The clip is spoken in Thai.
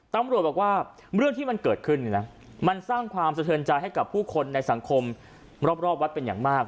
ตำรวจบอกว่าเรื่องที่มันเกิดขึ้นเนี่ยนะมันสร้างความสะเทินใจให้กับผู้คนในสังคมรอบวัดเป็นอย่างมาก